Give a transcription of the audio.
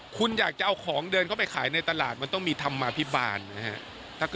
คุณอยากจะเอาของเดินเข้าไปขายในตลาดมันต้องมีธรรมาภิบาลนะครับ